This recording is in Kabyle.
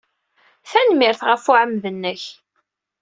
Tanemmirt ɣef uɛemmed-nnek.